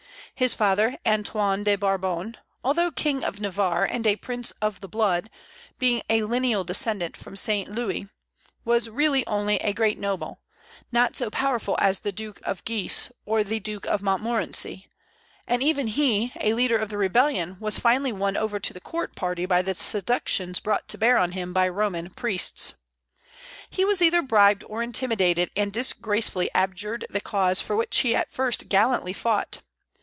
His father, Antoine de Bourbon, although King of Navarre and a prince of the blood, being a lineal descendant from Saint Louis, was really only a great noble, not so powerful as the Duke of Guise or the Duke of Montmorency; and even he, a leader of the rebellion, was finally won over to the court party by the seductions brought to bear on him by Roman priests. He was either bribed or intimidated, and disgracefully abjured the cause for which he at first gallantly fought.